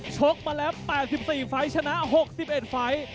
ชกมาแล้ว๘๔ไฟล์ชนะ๖๑ไฟล์